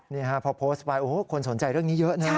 นี่ฮะพอโพสต์ไปโอ้โหคนสนใจเรื่องนี้เยอะนะ